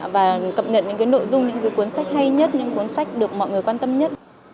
và cập nhật những cái nội dung những cuốn sách hay nhất những cuốn sách được mọi người quan tâm nhất